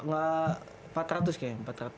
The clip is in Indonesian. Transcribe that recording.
nggak empat ratus kayaknya empat ratus